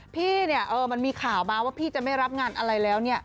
พี่เนี่ยมันมีข่าวมาว่าพี่จะไม่รับงานอะไรแล้ว